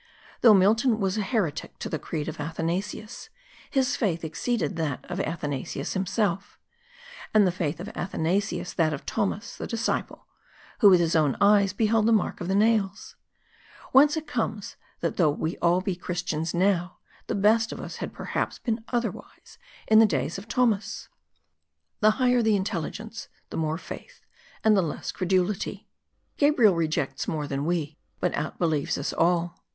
Though Milton was a heretic to the creed of Athanasius, his faith exceeded that of Athanasius himself; and the faith of Athanasius that of Thomas, 'the disciple, who with his own eyes beheld the mark of the nails. Whence it comes tliiit though we be all Christians now, the best of us had perhaps been otherwise in the days of Thomas. The higher the intelligence, the more faith, and the less credulity : Gabriel rejects more than we, but out believes us all.